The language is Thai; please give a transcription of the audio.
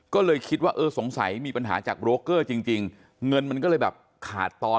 ก็เลยคิดว่าเออสงสัยมีปัญหาจากโรคเกอร์จริงเงินมันก็เลยแบบขาดตอน